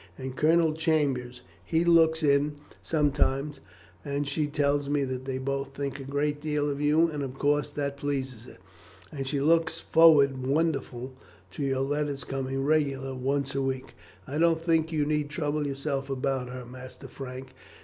And Colonel Chambers, he looks in sometimes, and she tells me that they both think a great deal of you, and of course that pleases her; and she looks forward wonderful to your letters coming regular once a week. I don't think you need trouble yourself about her, Master Frank.